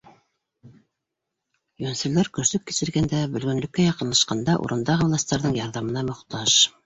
Йүнселдәр көрсөк кисергәндә, бөлгөнлөккә яҡынлашҡанда урындағы властарҙың ярҙамына мохтаж.